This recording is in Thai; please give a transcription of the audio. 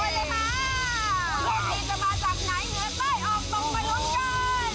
พี่พีชจะมาจากไหนเหนือใกล้ออกตรงมารุ่นยนต์